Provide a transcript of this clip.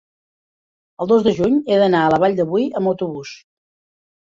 el dos de juny he d'anar a la Vall de Boí amb autobús.